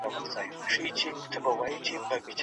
بهرنۍ پالیسي د همکارۍ روحیه نه کمزورې کوي.